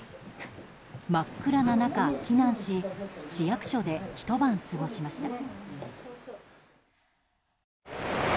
真っ暗な中、避難し市役所でひと晩過ごしました。